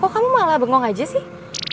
oh kamu malah bengong aja sih